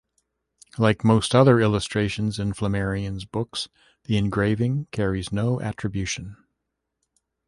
Like most other illustrations in Flammarion's books, the engraving carries no attribution.